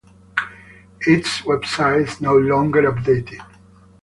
Its website is no longer updated.